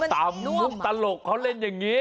ตำมุกตลกเขาเล่นอย่างนี้